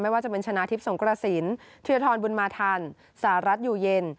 ไม่ว่าจะเป็นชนะทิพย์สงกระสินทุยธรรมบุญมาธรรมสหรัฐอยู่เย็น